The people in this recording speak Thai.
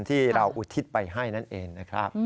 ที่เราอุทิศไปให้นั่นเองนะครับ